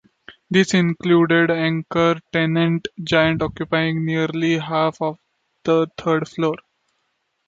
This included anchor tenant, Giant occupying nearly half of the third floor.